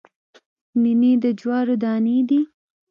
نینې د جوارو دانې دي